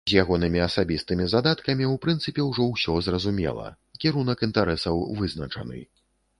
З ягонымі асабістымі задаткамі ў прынцыпе ўжо ўсё зразумела, кірунак інтарэсаў вызначаны.